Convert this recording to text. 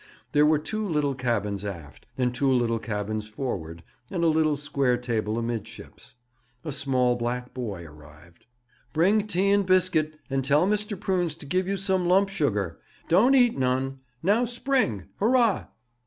There were two little cabins aft, and two little cabins forward, and a little square table amidships. A small black boy arrived. 'Bring tea and biscuit, and tell Mr. Prunes to give you some lump sugar. Don't eat none. Now spring! Hurrah!'